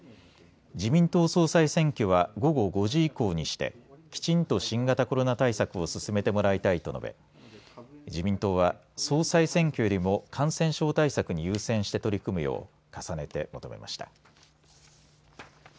自民党総裁選挙は午後５時以降にしてきちんと新型コロナ対策を進めてもらいたいと述べ自民党は総裁選挙よりも感染症対策に優先して取り組むよう重ねて求めました。